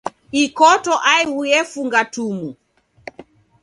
Ikoto aighu yefunga tumu.